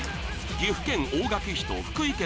岐阜県大垣市と福井県